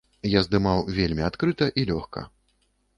Я здымаў вельмі адкрыта і лёгка.